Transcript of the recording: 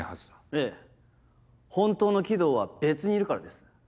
ええ本当の鬼道は別にいるからです。